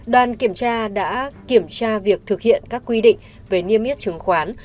đoàn kiểm tra đã kiểm tra việc thực hiện các quy định về niêm yết chứng khoán